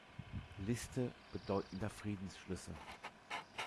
Liste bedeutender Friedensschlüsse